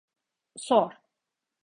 Sor.